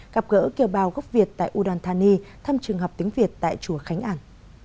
gặp gỡ kiều bào gốc việt tại udon thani thăm trường học tiếng việt tại chùa khánh an